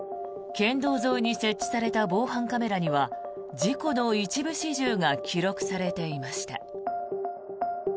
県道沿いに設置された防犯カメラには事故の一部始終が記録されていました。